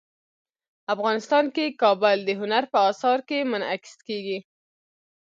افغانستان کې کابل د هنر په اثار کې منعکس کېږي.